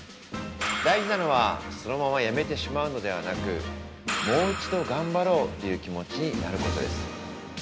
大事なのはそのままやめてしまうのではなくもう一度頑張ろうという気持ちになることです。